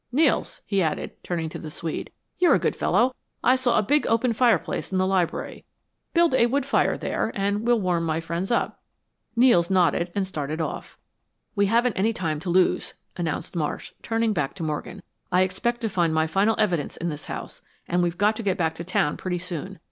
Nels," he added, turning to the Swede; "you're a good fellow. I saw a big, open fireplace in the library. Build a wood fire there and we'll warm my friends up." Nels nodded and started off. "We haven't any time to lose," announced Marsh, turning back to Morgan. "I expect to find my final evidence in this house, and we've got to get back to town pretty soon.